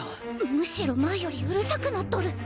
むしろ前よりうるさくなっとる。